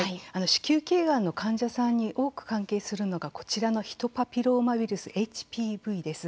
子宮頸がんの患者さんに多く関係するのが、こちらのヒトパピローマウイルス＝ＨＰＶです。